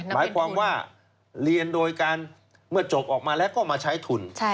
หมายความว่าเรียนโดยการเมื่อจบออกมาแล้วก็มาใช้ทุน